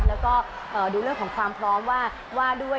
และดูเรื่องของความพร้อมว่า